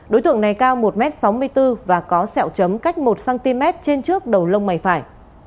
đối tượng này cao một m sáu mươi bốn và có sẹo chấm cách một cm trên trước đầu lông mày phải